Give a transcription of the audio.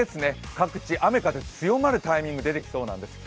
各地、雨風強まるタイミング、出てきそうなんです。